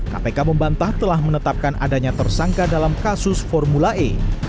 kpk membantah telah menetapkan adanya tersangka dalam kasus formula e